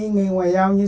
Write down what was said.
nghề ngoại giao như